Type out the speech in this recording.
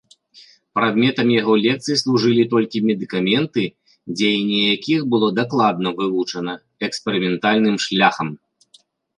Прадметам яго лекцый служылі толькі медыкаменты, дзеянне якіх было дакладна вывучана эксперыментальным шляхам.